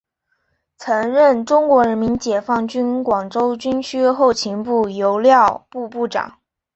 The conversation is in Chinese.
曾任中国人民解放军广州军区后勤部油料部部长。